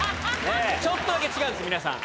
ちょっとだけ違うんです皆さん。